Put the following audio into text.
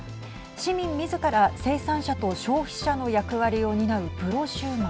市民みずから生産者と消費者の役割を担うプロシューマー。